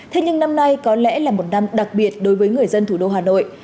thế nhưng năm nay có lẽ là một năm đặc biệt đối với người dân thủ đô hà nội